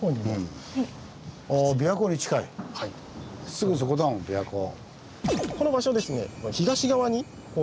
すぐそこだもん琵琶湖。